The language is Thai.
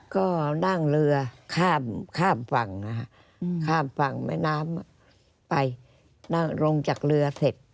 ก็นั่งเรือข้ามข้ามฝั่งนะฮะข้ามฝั่งแม่น้ำไปนั่งลงจากเรือเสร็จ